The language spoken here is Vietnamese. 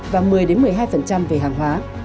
và một mươi một mươi hai về hàng hóa